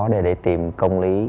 để tìm công lý